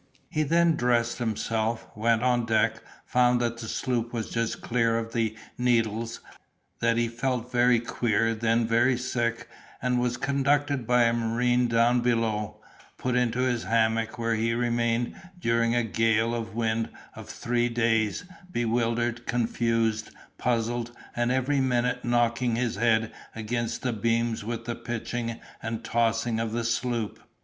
He then dressed himself, went on deck, found that the sloop was just clear of the Needles, that he felt very queer, then very sick, and was conducted by a marine down below, put into his hammock, where he remained during a gale of wind of three days, bewildered, confused, puzzled, and every minute knocking his head against the beams with the pitching and tossing of the sloop.